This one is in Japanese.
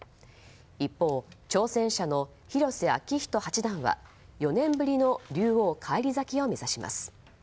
一方、挑戦者の広瀬章人八段は４年ぶりの竜王返り咲きを目指します。